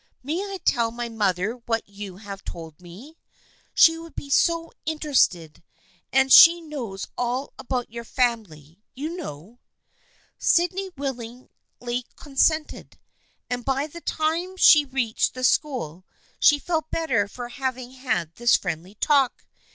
May I tell my mother what you have told me ? She would be so interested, and she knows all about your family, you know." Sydney willingly consented, and by the time she reached the school she felt better for having had this friendly talk.